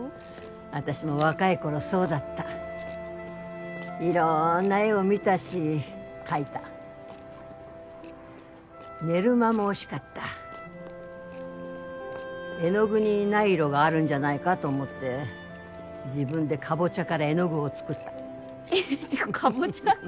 私も若い頃そうだったいろんな絵を見たし描いた寝る間も惜しかった絵の具にない色があるんじゃないかと思って自分でカボチャから絵の具を作ったえっカボチャ？